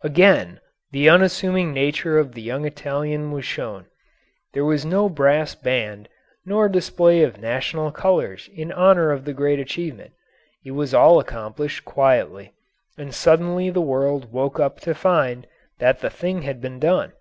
Again the unassuming nature of the young Italian was shown. There was no brass band nor display of national colours in honour of the great achievement; it was all accomplished quietly, and suddenly the world woke up to find that the thing had been done.